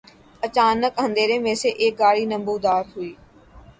اچانک اندھیرے میں سے ایک گاڑی نمودار ہوئی